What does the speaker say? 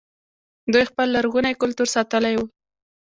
دوی خپل لرغونی کلتور ساتلی و